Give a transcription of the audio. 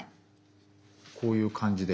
こういう感じで。